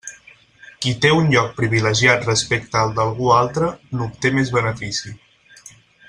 Qui té un lloc privilegiat respecte al d'algú altre, n'obté més benefici.